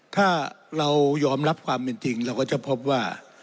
ถ้าเรายอมรับความเป็นจริงเราก็จะพบว่า